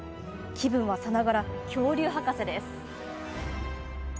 気分はさながら恐竜博士です。